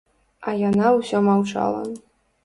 А яна ўсё маўчала.